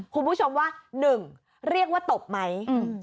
คุณผู้ชมว่า๑เรียกว่าตบไหม